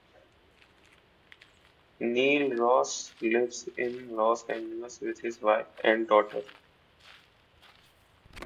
Neil Ross lives in Los Angeles with his wife and daughter.